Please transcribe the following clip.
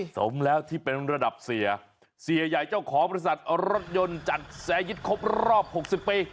สมแล้วที่เป็นระดับเสียเสียใหญ่เจ้าของบริษัทรถยนต์จัดแสยิตครบรอบ๖๐ปี